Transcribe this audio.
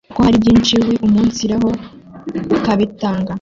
ko hari byinshi wiumunsiraho ukabitanga